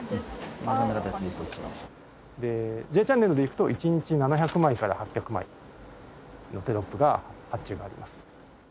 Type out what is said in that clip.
『Ｊチャンネル』でいくと１日７００枚から８００枚のテロップが発注があります。